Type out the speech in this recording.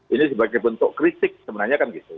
ini sebagai bentuk kritik sebenarnya kan gitu